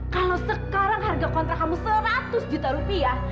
kalau sekarang harga kontrak kamu seratus juta rupiah